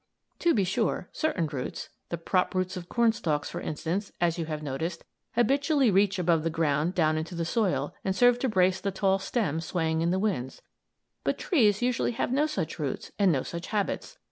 To be sure, certain roots the prop roots of corn stalks, for instance, as you have noticed habitually reach from above ground down into the soil, and serve to brace the tall stem swaying in the winds, but trees usually have no such roots and no such habits.